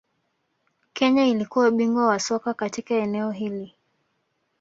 Kenya ilikuwa bingwa wa soka katika eneo hili